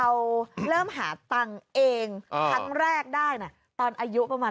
เราเริ่มหาตังค์เองครั้งแรกได้นะตอนอายุประมาณ